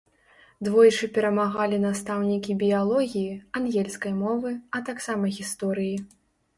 Двойчы перамагалі настаўнікі біялогіі, ангельскай мовы, а таксама гісторыі.